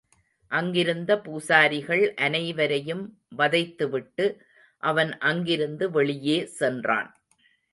அங்கிருந்த பூசாரிகள் அனைவரையும் வதைத்துவிட்டு, அவன் அங்கிருந்து வெளியே சென்றான்.